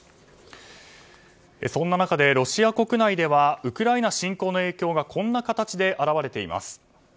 そんな中でロシア国内ではウクライナ侵攻の影響がこんな形で表れています。